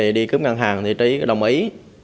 khi đi cướp ngân hàng thì trí đồng ý